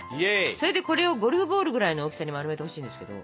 それでこれをゴルフボールぐらいの大きさに丸めてほしいんですけど。